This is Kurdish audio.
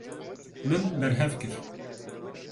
Min berhev kir.